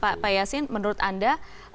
pak yasin menurut anda